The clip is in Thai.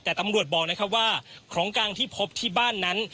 แต่ตำรวจบอกนะครับว่าของกลางที่พบที่บ้านนั้น